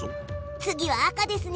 次は赤ですね！